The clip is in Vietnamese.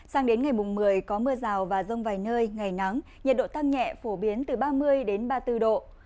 sang đến ngày mùng một mươi có mưa rào và rông vài nơi ngày nắng nhiệt độ tăng nhẹ phổ biến từ ba mươi đến ba mươi bốn độ